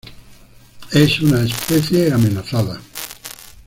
Es una especie amenazada.